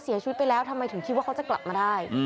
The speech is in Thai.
เสียชีวิตไปแล้วทำไมถึงคิดว่าเขาจะกลับมาได้